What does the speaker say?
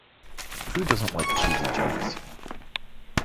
Who doesn't like cheesy jokes?